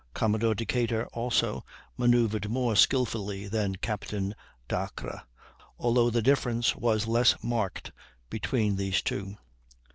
Commodore Decatur, also, manoeuvred more skilfully than Captain Dacres, although the difference was less marked between these two.